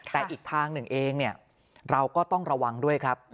แต่อีกทางหนึ่งเองเราก็ต้องระวังด้วยครับ